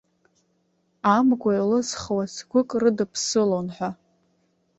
Амгәа еилызхуа цгәык рыдыԥсылон ҳәа!